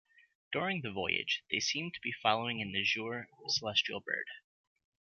During the voyage, they seem to be following an azure celestial bird.